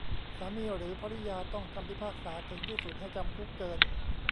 สามีหรือภริยาต้องคำพิพากษาถึงที่สุดให้จำคุกเกิน